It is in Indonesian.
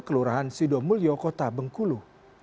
kelurahan sudomulyo kota bengkulu